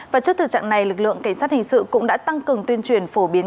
và trước thực trạng này lực lượng cảnh sát hình sự cũng đã tăng cường tuyên truyền phổ biến